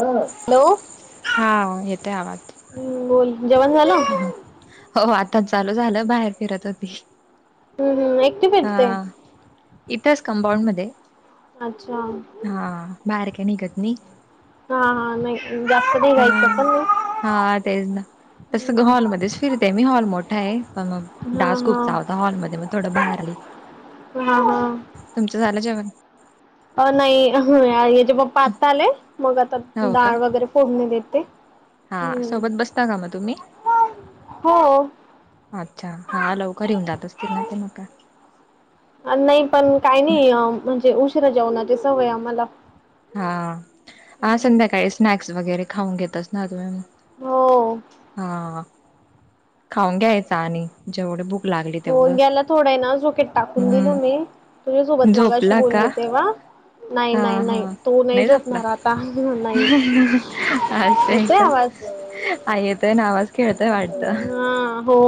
हा. हॅलो हा येतय आवाज ह् बोल जेवण झालं हो आता चालू झालं बाहेर फिरत होती हम्म हम एकटी फेटते इथास कंपाऊंड मध्ये अच्छा हा बाहेर का निघत नाही हा हा नाही जास्त हा. निघायचं पण नाही हा तेच ना तसं हम्म. हॉलमध्येध्येच फिरतेय मी हॉल मोठा आहे पण मग हा डान्स खूप चा होता हॉलमध्येध्ये मग थोड बाहेर आली हा हा हा तुमचं झालं जेवण अ नाही याच्या बाप् आता आलेय मग आता हो का? डाळ वगैरे फोडणी देते हा हम्म सोबत बसता का मग तुम्ही हो अच्छा हा लवकर येऊन जात असतील ना ते मगा हा नाही पण काय नाही अ म्हणजे उशिरा जेवणाची सवय आम्हाला हाा आ संध्याकाळी स्नॅक्स वगैरे खाऊन घेतच ना तुम्ही मग हो हा खाऊन घ्यायचा आणि जेवढे भूक लागली हो तेवढं. ह्याला थोडं आहे ना झोकेत टाकून दिलं हम्म मी तुझ्या सोबत मगाशी झोपला बोलली का? तेव्हा नाही हा नाही हा नाही तो नाही झोपणार आता नाही आ आ येतोय आवाज आ येतोय ना आवाज खेळतोय वाटतं हा हो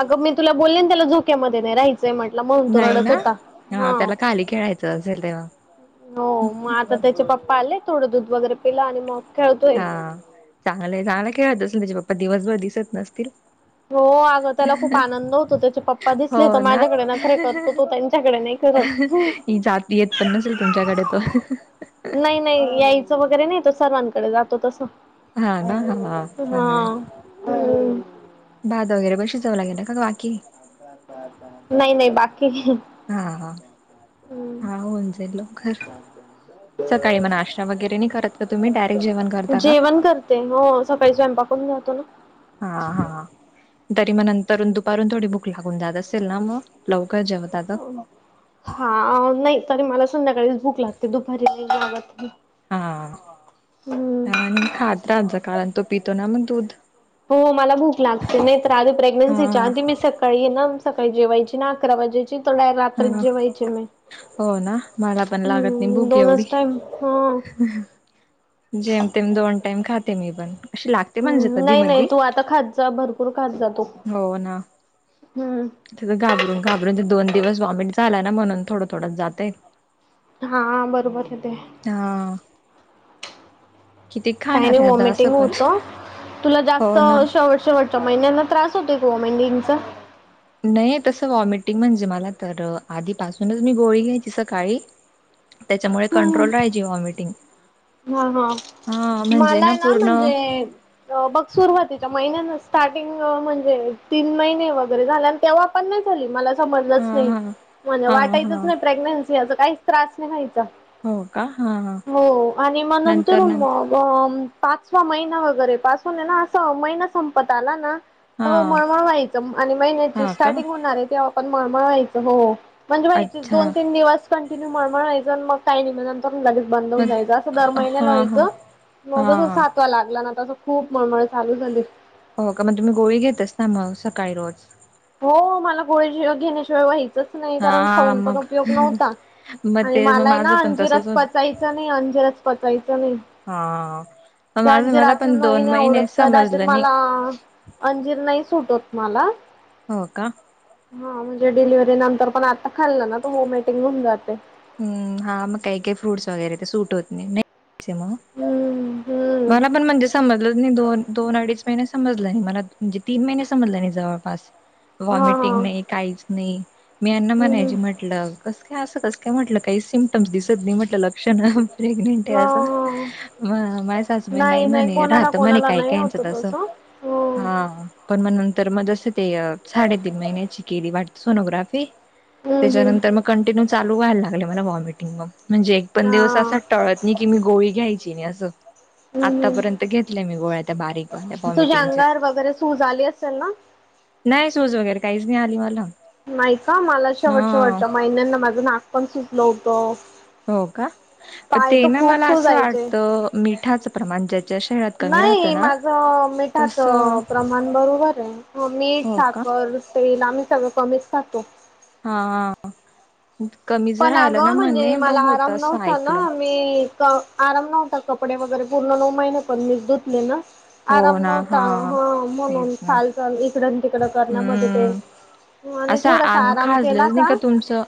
अगं मी तुला बोलली ना त्याला झोक्यामध्ये नाही राहायचंय म्हटलं म्हणून तो नाही रडत ना होता हा खाली खेळाय च झाले तेव्हा हो मग आता त्याचे पप्पा आले थोडं दूध वगैरे पिलं आणि मग खेळतोय हा चांगलंय चांगला खेळत असल त्याचे पप्पा दिवसभर दिसत नसतील हो अगं त्याला खूप आनंद होतो त्याचे पप्पा हो दिसले तर ना माझ्याकडे नखरे करतो तो त्यांच्याकडे नाही करत ही जाती येत पण नसेल तुमच्याकडे तो नाही नाही यायचं वगैरे नाही तो सर्वांकडे जातो तसं हा ना हा चांगलंय हम्म भात वगैरे बशी जावऊ लागे ना का बाकी नाही नाही बाकी हा हा हा हम्म होउन जाईल लवकर सकाळी मग नाष्टा वगैरे नाही करत का तुम्ही डायरेक्ट जेवण करता का ते हो सकाळी स्वयंपाक करून जातो ना हा हा तरी मग नंतरून दुपारून थोडी भूक लागून जात असे. ते ना मग लवकर जेवतात. हा आ नाही तरी मला संध्याकाळीच भूक लागते दुपारी नाही जेवत मी. हा आणि खात राहा जा कारण तो पितो ना मग दूध हो मला भूक लागते नाही तर आधी हा प्रेग्न्सीच्या आधी मी सक सकाळी ना सकाळी जेवायची ना अकरा वाजायची तर रात्री हा जेवायचे मी. हो ना मला पण लागत नाही हम्म भूक एवढी. दोनच टाइम हा हम जेम तेम दोन टाईम खाते मी पण, तशी लागते म्हणजे कधी मधी म आता खात ज जा भरपूर खात जा तू. हो ना. हम्म तिथं घाबरून घाबरून ते दोन दिवस व्हॉमिट झाला ना म्हणून थोडं थोडच जातय. हा बरोबर आहे ते. हा. किती काही खाणार नाही आहे आता असं व्हॉमिटिंग पण होत तुला जास्त हो ना अ शेवट शेवट महिन्यांना त्रास होते ग वॉमिटिंगचा? नाही तसं वॉमिटिंग म्हणजे मला तर आधीपासूनच मी गोळी घ्यायची सकाळी त्याच्यामुळे कंट्रोल राहिची व्हॉमिटिंग. हा, हा, मला ना म्हणजे बघ सुरुवातीच्या महिन्यान स्टार्टिंग म्हणजे तीन महिने वगैरे झाले आणि तेव्हा नाही झाली मला समजच हा नाही हा मला हा वाटायचच हा नाही प्र् असं काहीच त्रास नाही व्हायचा. हो का? हा, हा किंवा नंतर [unintelligible] उमा अग पाचवा महिना वगैरे पासून आहे ना असं महिना संपत आला ना हा हो मळमळ व्हायचं आणि महिन्याची हा का स्टार्टिंग होणार आहे तेव्हा पण मळमळ व्हायचं हो. म्हणजे व्हायचंच अच्छा दोन तीन दिवस कंटिन्यू मळमळ व्हायचं आणि मग काही नाही मग नंतर लगेच बंद होऊन मग जायच. दर हा महिन्याला हा व्हायचं, मग जस हा सातवा लागला ना तसं खूप मळमळ चालू झाली हो का मग तुम्ही गोळी घेतस ना मग सकाळी रोज. हो मला गोळी घेण्याशिवाय व्हायचंच नाही हा कारण खाऊन पण मग उपयोग नव्हता. मग आणि ते मग मलाय माझं ना पण तसच अंजीरच होत पचायचं नाही, अंजीरच पचायचं नाही. हा ते माझं अंजीर मला अजून पण मले दोन नाही आवडत. महिने कदाचित समजलं नाही मला अंजीर नाही सुट होत मला. हो का. हा म्हणजे डिलिव्हरी नंतर पण आता खाल्लं ना त व्हॉमिटिंग होऊन जाते. हम्, हा, मग काही काही फ्रूट्स वगैरे ते सुट होत नाही. त्यामुळ हम्म हम्म मला पण म्हणजे समजलं नाही दोन दोन अडीच महिने समजलं नाही मला म्हणजे तीन महिने समजलं नाही जवळपास हा हा व्हॉमिटिंग नाही काहीच नाही मी यांना हम्म म्हणायज हम्म म्हटलं कस काय असं कस. य म्हटलं काही सिम्टम्स दिसत नाही म्हटलं प्रेग्नेंट आहे हा अस हा म माझ्या सासूबाई नाय नाही नाही म्हणे कोणाला राहत म्हणे कोणाला काय नाही काही होत अस तसं हो हा. पण मग नंतर मग जसं ते साडेतीन महिन्याची केली वाटते सोनोग्राफी हम्म हम्म त्याच्यानंतर मग कंटिन्यू चालू व्हायला लागले मला व्हॉमिटिंग मग म्हणजे एक पण हा दिवस असा टळत नी कि मी गोळी घ्यायची नाही असं. हम्म हम्म आतापर्यंत घेतल्या मी गोळ्या त्या बारीक तुझ्या व्हॉमिटिंगच्या. अंगावर वगैरे सूज आली असेल ना? नाही सूज वगैरे काहीच नाही आली मला. नाही का मला शेवट हा शेवटच्या महिन्यांना माझं नाक पण सुटलं होतं. हो का पाय ते तर ना खूप मला असं सुजायचे वाटतं मिठाचं प्रमाण ज्या नाही माझ मिठाच तसं प्रमाण बरोबर आहे. हो. मीठ, हो का? साखर, तेल आम्ही सगळं कमीच खातो. हा. कमी जर पण राहिलं ना अगं म्हणे, म्हणजे ब मला होत आराम असं नव्हता ऐकलं. ना मी आराम नव्हता. कपडे वगैरे पूर्ण नऊ महिने पण मी धुतले ना. हो आराम ना नव्हता. हा ह. म्हणून तेच ना हाल चाल इकड तिकडं करण्यामध्ये ते हम्म. आणि थोडासा आराम केला का?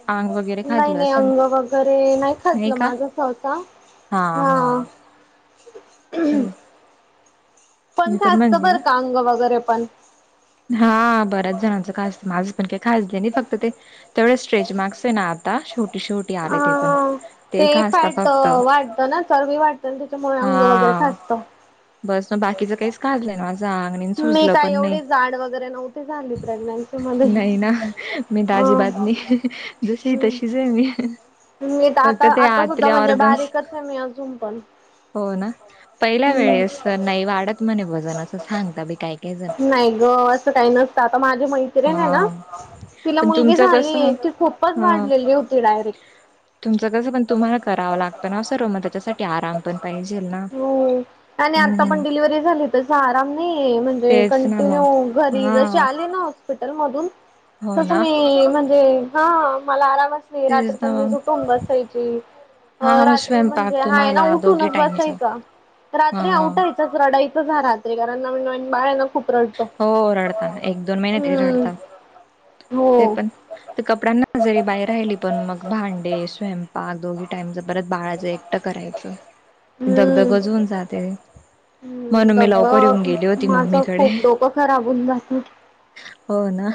आग नाही नाही अंग वगैरे नाही खजलं माझ सहसा. हा हा. हम् [unintelligible] पण खस्त बरं का, अंग वगैरे पण. हा बऱ्याच जणांचं खाास, माझं पण काही खााजलं नाही. फक्त ते तेवढ स्ट्रेच मार्क्सेना आता. शेवटी शेवटी हा आले ते पण. हा ते खाजत फक्त. तर ना चर बी वाटतं ना. त्याच्यामुळे अंग वगैरे हा खाजत. बस मग बाकीचं काहीच खाजलं नाय माझ आग. आणि मी सुजल काय पण नाही. एवढी जाड वगैरे नव्हती झाली प्रेग्नेन्सी मध्ये. नाही ना. मी त ह आजीबात नाही. जशीय हम्म. तशीचे मी. मी त फक्त आता ते आता सुद्धा, आतले म्हणजे ऑर्गन्स बारीकचे मी अजून पण. हो ना. पहिल्या हम्म वेळेस नाय वाढत म्हणे वजन. असं सांगता बाई काय काय ज नाही ग. असं काही नसतं. आता माझी मैत्रीणे ना. हा तिला पण मुलगी तुमचं कसं झालीय. ती खूपच ह वाढलेली होती डायरेक्ट. तुमचं कसं पण. तुम्हाला करावं लागतं ना सर्व. म त्याच्यासाठी. आराम पण पहिजेल ना. ह [inaudible] हो. आणि आता पण डिलिव्हरी झाली तस, आराम नाहीये. म्हणजे तेच ना कंटिन्यू मग घरी हा जसे आले ना. मधुन. हो तस ना मी, म्हणजे हा. मला आरामच रात्री तेच पण ना मी मग उठून बसायची. हा मग रात्री स्वयंपाक म्हणजे हा य ना तुम्हाला दोघी उठूनच बसाय टाइमचा चा. रात्री हा आठायचाच. रडायचच हा रात्री. कारण नवीन नवी बाळेना खूप रड हो रडतान. एक दोन महिने लइ रडतात. हो ते पण ते कपड्यांना जरी बाई राहिली पण, मग भांडे. स्वयंपाक. दोघी टाइमच परत बाळाच एकटं करायचं. हम्म. दगदग च होऊन जाते. हम्म म्हणून मी लवकर येऊन गेले होती. मम्मीकडे. खराबहून जाशील. हो ना.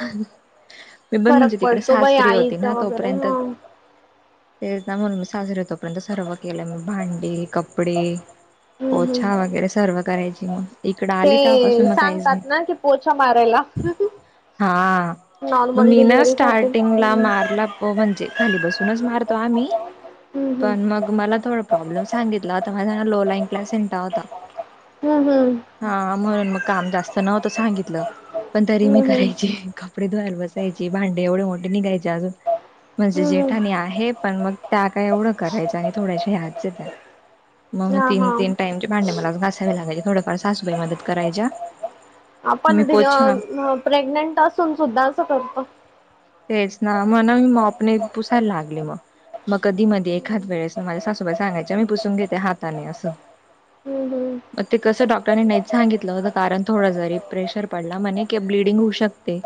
मी पण फरक म्हणजे तिकडे पडतो बाई सासरी होती आईचा ना. वगैरे तोपर्यंत ह तेच ना. म्हणून मी सासरी तोपर्यंत सर्व केलं मी. भांडे, कपडे. हम्म हम्म. पोछया वगैरे सर्व करायची म. ते सांगतात ना कि, पोछा मारायला. हा. म नॉर्मल मी ना डिलिव्हरी साठी स्टार्टिंगला मारला. को म्हणजे, खाली बसूनच मारतो आम्ही. हम्म हम्म. पण मग मला थोड प्रॉब्लेम सांगितला होता. माझना लो लाईन्प्सेंटा होता. हम्म हम्म. हा म्हणून म काम जास्त नव्हतं सांगितलं. पण तरी मी हम्म हम्म करायची. काम. कपडे धुवायला बसायची. भांडे एवढ मोठे निघायचे अजून. म्हणजे हम्म हम्म जेठाणी आहे. पण मग त्या काय एवढ करायच्या नाईत. थोडयाशा ह्याचे त्या. मग हा तीन हा. तीन टाईम चे भांडे मलाच घासावी लागाची. थोडफार सासूबाई मदत करायच्या. मी आपण पोछा दिलं न प्रेग्नेंट असून सुद्धा [unintelligible] तेच ना म्हणून मी मापने पुसायला लागले मग. मग कधी मध्ये एखाद हम्म वेळेस माझ्या सासूबाई सांगायच्या. मी पुसून घेते हाताने असं. हम्म हम्म. म ते कसं डॉक्टरांने नाहीच सांगितलं होतं. कारण थोडा जरी प्रेशर पडला म्हणे कि ब्लीडिंग होऊ शकते.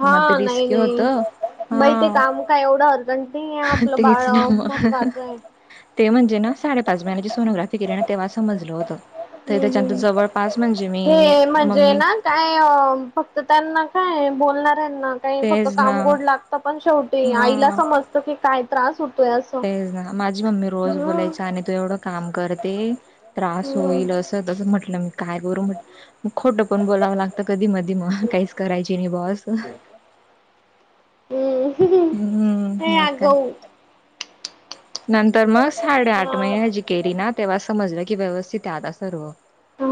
हा मग ते नाही रिस्की होतं नाही बाई ते हा काम काय एवढं अर्जंट आपलं बाळ तेच ना मग महत्वाचं आहे. ते म्हणजे ना साडेपाच महिन्याची सोनोग्राफी केली ना तेव्हाच समजलं होतं. ते हम्म त्याच्यात हम्म. जवळ पास म्हणजे मी अ हे अ म्हणजे मम्मी ना काय ओ फक्त त्यांना काय बोलणाऱ्यांना काई फक्त तेच ना काम गोड लागतं पण शेवटी आईला हा समजत की काय त्रास होतो. तेच ना माझी मम्मी रोज बोलायची आणि तू एवढं काम करते ऐ त्रास हम्म होईल असं. त तसं म्हटलं मी काय करू म्हटलं खोटं पण बोलावं लागतं कधी मधी मग काहीच करायची. हम्म हम्म हम्म ये मग काय अगाऊ नंतर मग साडेआठ हा. महिन्याची केली ना तेव्हा समजलं की व्यवस्थित आता सर्व. हा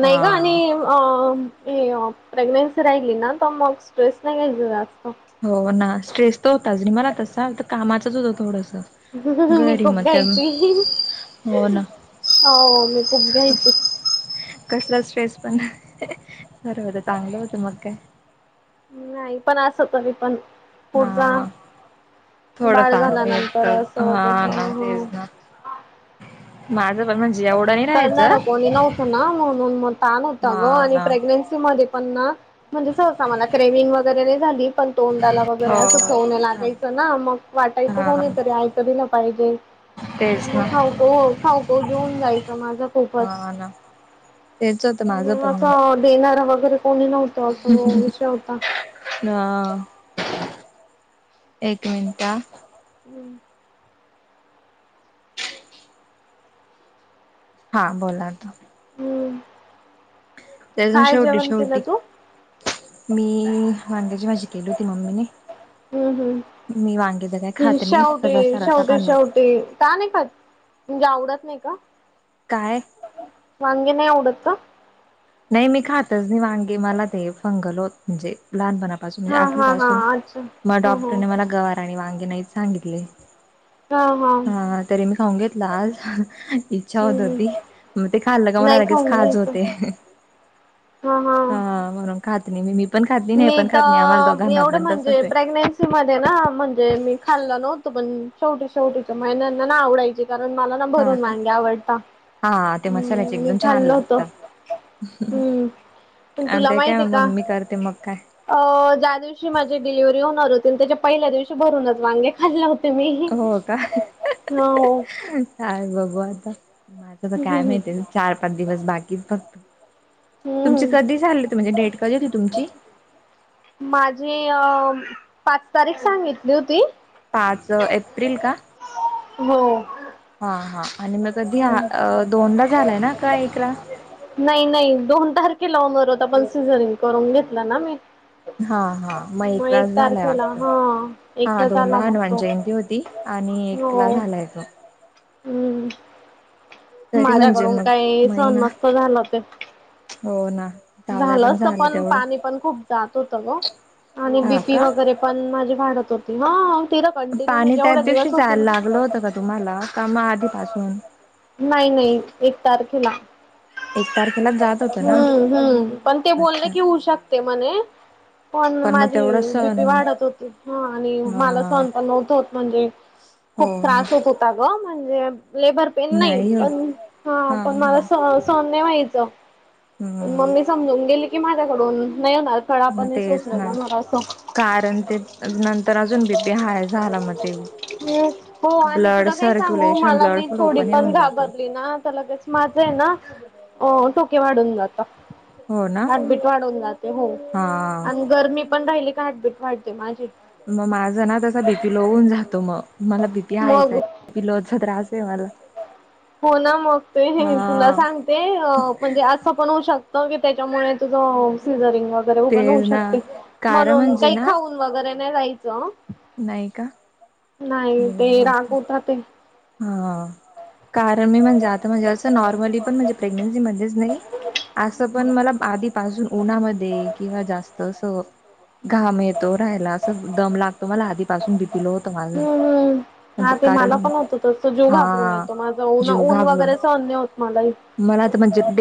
नाही ग हा आणि हो मग प्रेग्नेनसी राहिली ना त मग टेस नाही घ्यायचा जास्त. हो ना स्ट्रेस तर होताच मला तसा तर कामाचच होतं थोडंस कसं ना मी खूप घाई केली हो हो ना तु खूप घाई केली. कसं ट्रेस पण बरं होतं चांगलं होतं मग काय. नाही पण असं तरी पण पुढ जा हा बाळ थोडंफार मी झाल्यानंतर तर असं हा ना होत. तेच ना माझं पण म्हणजे जेवढं करणार कोणी नव्हतं ना म्हणून म ताण होतं ग हा आणि ना प्रेग्नेन्सी मध्ये पण ना म्हणजे सहसा मला क्रेविग वगैरे नाही झाली पण तोंडाला वगैरे हो असं चव न लागायचं. ना मग वाटायचं हा कोणी हा तरी आयत दिलं पाहिजे. तेच ना मग खाऊको खाऊको घेऊन जायचं. माझं खूपच हा ना तेच होतं माझं देणारा वगैरे कोणी नव्हतं. असं विषय होता [unintelligible] हा आ एक मिनटं हा हम् हा बोला ना. हम्म त्याजून काय शेवटी जेवण केलं शेवटी तू मी वांग्याची भाजी केली होती मम्मीने हम्म हम्म मी वांगे तर काय खात नाही रसा रसा खाल ते का नाही का म्हणजे आवडत नाही का? काय? मग वागे नाही आवडत का? नाही मी खातच नाही वांगी मला ते फंगल होत म्हणजे लहानपणा म्हणजे हा आठवी हा हा पासून अच्छा मग हो हो डॉक्टरने मला गवार आणि वांगे नाही सांगितले. हा हा हा तरी मी खाऊन घेतला आज इच्छा होत हो हम्म ती. मग ते खाल्लं का मला नाही लगेच खाऊन घ्यायचं खाजवते होते. हा म्हणून खात नाही मी हे पण खात नाही मी पण आम्हाला तर दोघांना एवढं पण तसंच म्हणजे आहे. प्रेग्नेन्सी मध्ये ना म्हणजे मी खाल्ल नव्हतो पण शेवटी शेवटी महिनंना ना आवडायची. कारण मला ना हा भरून का वांगे आवडत हा ते मसाल्याचे मी एकदम छान खाल्ल होत. लागत हम्म पण आणि तुला त्या काय माहिती आहे का मम्मी करते मग काय अ ज्या दिवशी माझे डिलिव्हरी होणार हो त्याच्या पहिल्या दिवशी भरूनच वांगे खालले होते. तुम्हीही हो का ह [unintelligible] काय बघू आता माझं तर काय हम्म माहिती आहे चार पाच दिवस बाकीच फक्त तुमची हम्म कधी झाली म्हणजे डेट कधी होती तुमची? माझी अ पाच तारीख सांगितली होती. पाच एप्रिल का? हो हा हा आणि मग कधी दोनदा झालाय ना का एकला नाही नाही दोन तारखे लाव मरत आपण सीझनिंग करून घेतलं ना मी हा हा मग एक तास झालाय वाटत हा एकदा दोनला झाला मग हनुमान तो जयंती होती. ती आणि एक ला हो. झालाय तो. हम्म तरी म्हणजे माझ्याकडून मग काही सण महिना नसत झालं ते हो ना झालं तर पण पाणी पण खूप जात होत ग आणि हा बीपी का वगैरे पण माझी वाडत होती ह ति पाणी त्याच दिवशी जायला लागलं होतं का तुम्हाला का मग आधीपासून नाही नाही एक तारखेला एक तारखेलाच जात होतं ना हम्म हम्म पण ते बोलणे अच्छा घि होऊ शकते म्हणे पण मग माझी तेवढं बीपी सण वाढत होती ह आणि मला हा सण पण नत होत. म्हणजे खूप हो ना त्रास होत होता ग म्हणजे लेबर पन नाही पण हा पण मला स सहन्य व्हायचं. हम ह मम् ममी समजून गेली की माझ्याकडून नाही होणार खड मग आपण नाही तेच सोचलं ना जाणार असं कारण ते नंतर अजून बीबी हय झाला मग ते ह् हो आणि ब्लड तुला काही सांगू सर्क्युलेशन मला ब्लड मी फ्लो थोडी पण येऊन जातं घाबरली ना त्याला क माझं आहे ना अ टोके वाढून जाता. हो ना हबिट वाढून जाते हो हा आणि गरमी पण राहिली का हबिट वाटते माझी मग माझं ना तसा बीपी लोवून जातो मग मला बीपी हायचं मग आहे. पिलोचा त्रास आहे मला. हो ना मग ते हे तुला हा सांगते म्हणजे असं पण होऊ शकत त्याच्यामुळे तुझं सीझरिंग वगैरे उंनऊ तेच ना शकते कारण म्हणून म्हणजे काही ना खाऊ वगैरे नाही जाहायचं नाही का नाही ते बघू आता रागवत रा ते हा कारण मी म्हणजे आता म्हणजे असं नॉर्मली पण म्हणजे प्रे््गनेंसी मच नाही अस पण मला आधीपासून उन्हामध्ये किंवा जास्त अस घाम येतो राहायला असं दम लागतो मला आधीपासून भ वििलोत माझ कारण तस जीव घाबरून हा येतो माझं ऊन जीव ऊन घाबरून वगैरे स अन्य होत मलाही मला तर म्हणजेडे